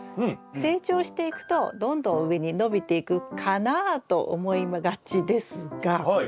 成長していくとどんどん上に伸びていくかなと思いがちですがうんうん。